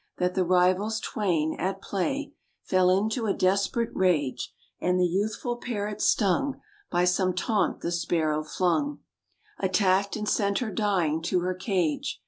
That the rivals twain, at play, Fell into a desperate rage; And the youthful Parrot, stung By some taunt the Sparrow flung, Attacked, and sent her dying to her cage.